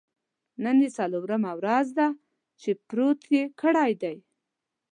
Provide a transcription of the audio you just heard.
نن یې څلورمه ورځ ده چې پروت یې کړی دی.